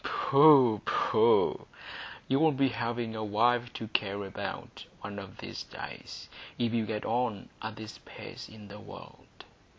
"Pooh, pooh! you'll be having a wife to care about one of these days, if you get on at this pace in the world.